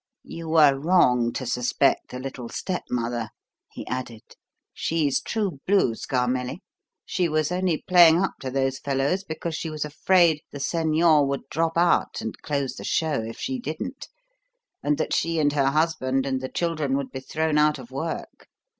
"You were wrong to suspect the little stepmother," he added. "She's true blue, Scarmelli. She was only playing up to those fellows because she was afraid the 'señor' would drop out and close the show if she didn't, and that she and her husband and the children would be thrown out of work.